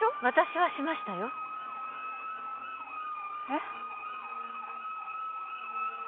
私はしましたよえっ？